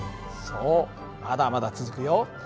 そうまだまだ続くよ。